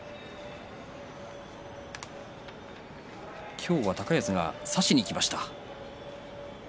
今日は高安が差しにいきました。